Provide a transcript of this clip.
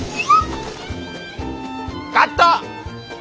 カット！